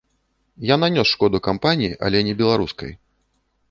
Я нанёс шкоду кампаніі, але не беларускай.